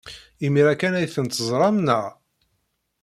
Imir-a kan ay ten-teẓram, naɣ?